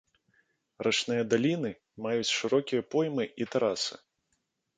Рачныя даліны маюць шырокія поймы і тэрасы.